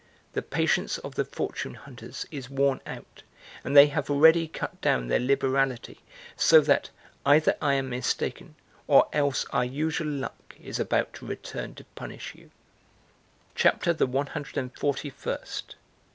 The patience of the fortune hunters is worn out and they have already cut down their liberality so that, either I am mistaken, or else our usual luck is about to return to punish you!" CHAPTER THE ONE HUNDRED AND FORTY FIRST.